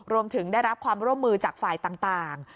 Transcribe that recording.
รวมถึงได้รับความร่วมมือจากฝ่ายต่าง